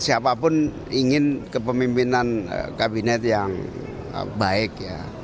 siapapun ingin kepemimpinan kabinet yang baik